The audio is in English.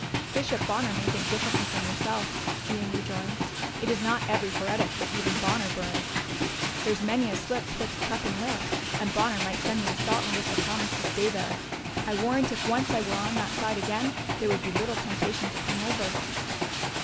"Bishop Bonner may think differently from yourself," Ian rejoined; "it is not every heretic that even Bonner burns. There's many a slip twixt cup and lip; and Bonner might send me to Scotland if I promised to stay there. I warrant if once I were on that side again, there would be little temptation to come over."